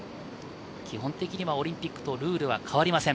基本的にはオリンピックとルールは変わりません。